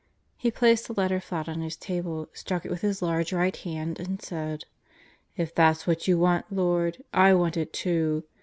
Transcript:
He placed the letter flat on his table, struck it with his large right hand and said: "If that's what You want, Lord, I want it too.